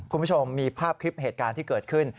คุณผู้ชมมีภาพคลิปเหตุการณ์ที่เกิดขึ้น